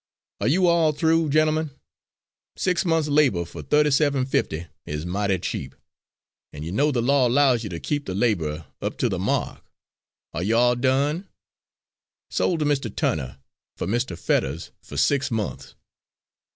"Are you all through, gentlemen? Six months' labour for thirty seven fifty is mighty cheap, and you know the law allows you to keep the labourer up to the mark. Are you all done? Sold to Mr. Turner, for Mr. Fetters, for six months."